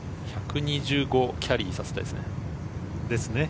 キャリーさせたいですね。